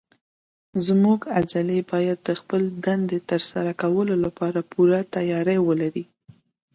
زموږ عضلې باید د خپلې دندې تر سره کولو لپاره پوره تیاری ولري.